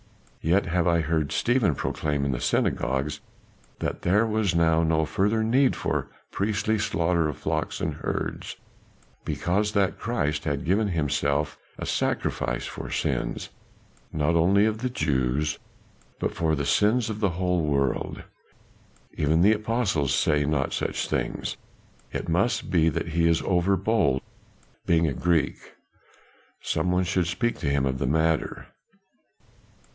Yet have I heard Stephen proclaim in the synagogues that there was now no further need for the priestly slaughter of flocks and herds, because that Christ had given himself a sacrifice for the sins not only of the Jews but for the sins of the whole world. Even the apostles say not such things, it must be that he is over bold being a Greek. Some one should speak to him of the matter."